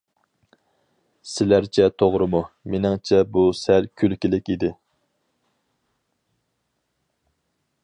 سىلەرچە توغرىمۇ؟ مېنىڭچە بۇ سەل كۈلكىلىك ئىدى.